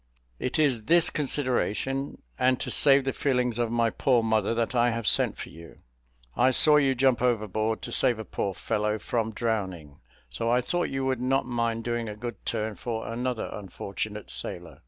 It is this consideration, and to save the feelings of my poor mother, that I have sent for you. I saw you jump overboard to save a poor fellow from drowning; so I thought you would not mind doing a good turn for another unfortunate sailor.